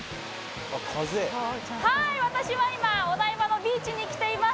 はい私は今お台場のビーチに来ています。